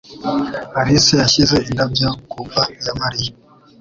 Alice yashyize indabyo ku mva ya Mariya.